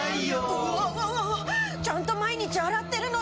うわわわわちゃんと毎日洗ってるのに。